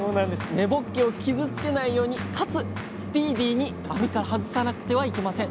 根ぼっけを傷つけないようにかつスピーディーに網から外さなくてはいけません。